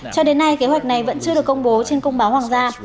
cho đến nay kế hoạch này vẫn chưa được công bố trên công báo hoàng gia